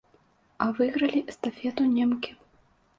А выйгралі эстафету немкі.